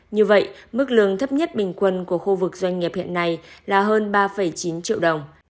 như vậy mức lương thấp nhất bình quân của khu vực doanh nghiệp hiện nay là hơn ba chín triệu đồng